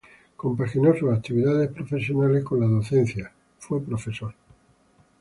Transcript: Compaginó sus actividades profesionales con la docencia, fue profesor.